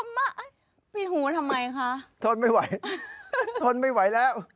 มาฝากทำไม